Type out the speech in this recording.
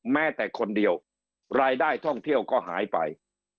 แม้แต่คนเดียวรายได้ท่องเที่ยวก็หายไป